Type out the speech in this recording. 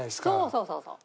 そうそうそうそう。